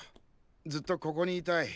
ずっとここにいたい。